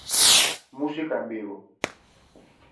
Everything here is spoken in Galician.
Música en vivo.